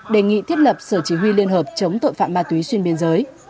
đề nghị thiết lập sở chỉ huy liên hợp chống tội phạm ma túy xuyên biên giới